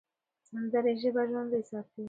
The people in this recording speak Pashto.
سندرې ژبه ژوندۍ ساتي.